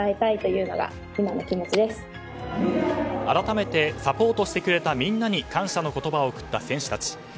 改めてサポートしてくれたみんなに感謝の言葉を送った選手たち。